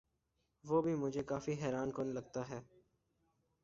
وہ بھی مجھے کافی حیران کن لگتا ہے۔